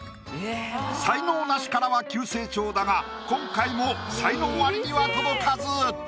才能ナシからは急成長だが今回も才能アリには届かず。